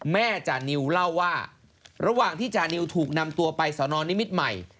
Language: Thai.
จานิวเล่าว่าระหว่างที่จานิวถูกนำตัวไปสอนอนนิมิตรใหม่